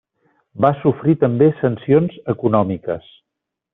Va sofrir també sancions econòmiques.